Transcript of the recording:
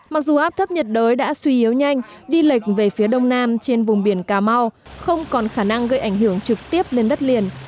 mặc dù áp thấp nhiệt đới đã suy yếu nhanh đi lệch về phía đông nam trên vùng biển cà mau không còn khả năng gây ảnh hưởng trực tiếp lên đất liền